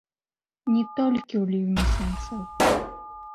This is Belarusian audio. Не толькі ў ліўні сэнсаў.